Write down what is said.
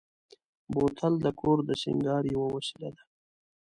بوتل د کور د سینګار یوه وسیله ده.